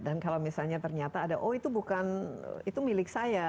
dan kalau misalnya ternyata ada oh itu bukan itu milik saya